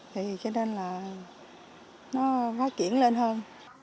thì cho nên là nó phát triển lên hơn